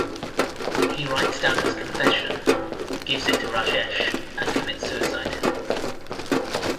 He writes down his confession, gives it to Rajesh, and commits suicide.